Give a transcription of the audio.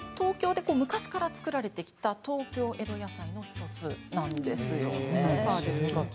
昔から作られてきた東京江戸野菜の１つなんです。